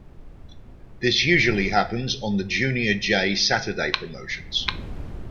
This usually happens on the Junior Jay Saturday promotions.